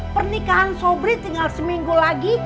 pernikahan sobri tinggal seminggu lagi